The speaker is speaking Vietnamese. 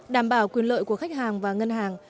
đảm bảo quyền lợi của khách hàng và ngân hàng